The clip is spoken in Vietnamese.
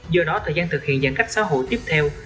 do đó thời gian thực hiện giãn cách xã hội tiếp theo